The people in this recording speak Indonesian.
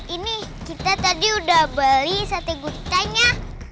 ini kita tadi udah beli sate guritanya